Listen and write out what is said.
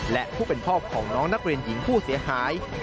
และผู้เป็นพ่อของน้องนักเรียนหญิงผู้เสียหาย